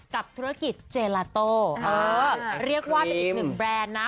กับธุรกิจเจลาโต้เออเรียกว่าเป็นอีกหนึ่งแบรนด์นะ